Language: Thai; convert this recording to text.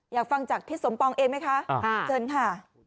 อยากฟังจากทิศสมปองเองไหมคะเชิญค่ะ